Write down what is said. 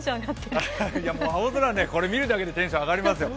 青空ね、これ見るだけでテンション上がりますよ。